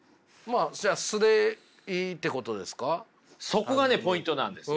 そこがねポイントなんですよ。